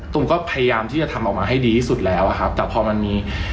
ตูมก็พยายามที่จะทำออกมาให้ดีที่สุดแล้วอะครับแต่พอมันมี